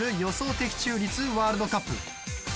的中率ワールドカップ。